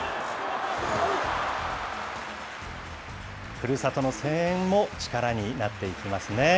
ふるさとの声援も力になっていきますね。